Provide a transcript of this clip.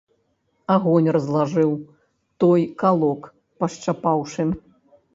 Агонь разлажыў, той калок пашчапаўшы.